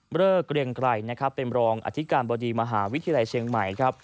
เลิกเกรียงไกรนะครับเป็นรองอธิการบดีมหาวิทยาลัยเชียงใหม่ครับ